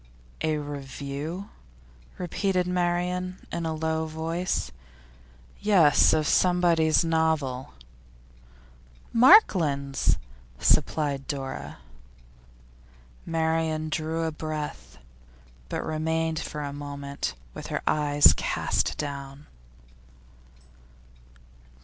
'A review?' repeated Marian in a low voice. 'Yes; of somebody's novel.' 'Markland's,' supplied Dora. Marian drew a breath, but remained for a moment with her eyes cast down.